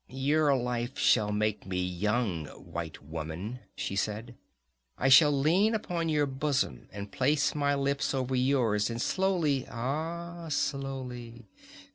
"Your life shall make me young, white woman!" she said. "I shall lean upon your bosom and place my lips over yours, and slowly ah, slowly!